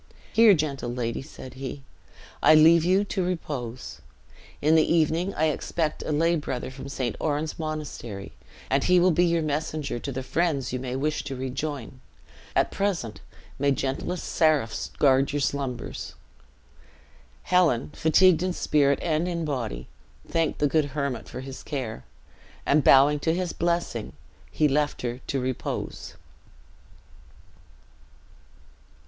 "Here, gentle lady," said he, "I leave you to repose. In the evening I expect a lay brother from St. Oran's Monastery, and he will be your messenger to the friends you may wish to rejoin. At present, may gentlest seraphs guard your slumbers!" Helen, fatigued in spirit and in body, thanked the good hermit for his care; and bowing to his blessing, he left her to repose.